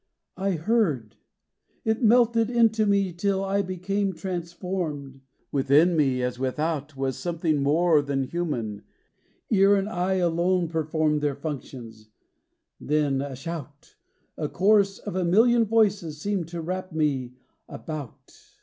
I heard: it melted into me till I Became transformed; within me as without Was something more than human; ear and eye Alone performed their functions; then, a shout, A chorus of a million voices seemed to wrap me about.